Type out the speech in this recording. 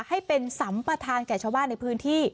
ให้เป็นสัมประธานแก่ชาวบ้านในพื้นที่